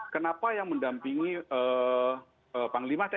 kenapa yang mendampingi panglima tni